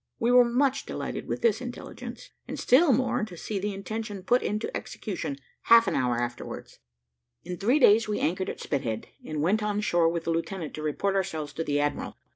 We were much delighted with this intelligence, and still more to see the intention put into execution half an hour afterwards. In three days we anchored at Spithead, and went on shore with the lieutenant to report ourselves to the admiral.